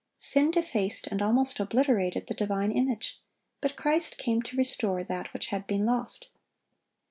Sin defaced and almost obliterated the divine image; but Christ came to restore that which had been lost.